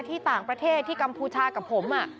ที่ต่างประเทศที่กัมพูชากับผม